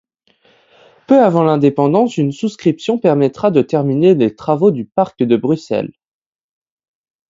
Peu avant l'indépendance, une souscription permettra de terminer les travaux du Parc de Bruxelles.